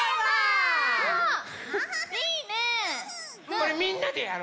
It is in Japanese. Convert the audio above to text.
これみんなでやろうよ。